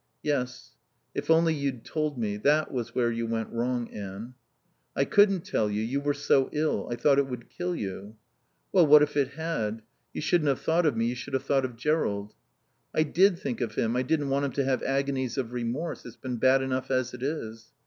"Yes. If only you'd told me. That was where you went wrong, Anne." "I couldn't tell you. You were so ill. I thought it would kill you." "Well, what if it had? You shouldn't have thought of me, you should have thought of Jerrold." "I did think of him. I didn't want him to have agonies of remorse. It's been bad enough as it is."